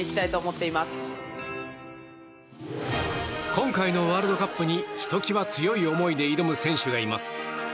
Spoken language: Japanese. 今回のワールドカップにひときわ強い思いで挑む選手がいます。